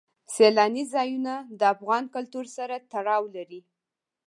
سیلانی ځایونه د افغان کلتور سره تړاو لري.